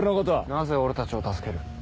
なぜ俺たちを助ける？